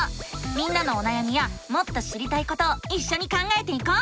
みんなのおなやみやもっと知りたいことをいっしょに考えていこう！